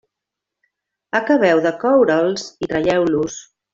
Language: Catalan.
Acabeu de coure'ls i traieu-los.